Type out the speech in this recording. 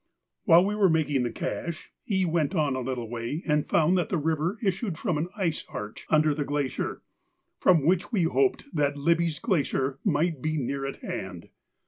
While we were making the cache, E. went on a little way and found that the river issued from an ice arch under the glacier, from which we hoped that Libbey's glacier might be near at hand.